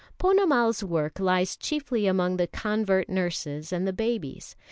Ponnamal's work lies chiefly among the convert nurses and the babies.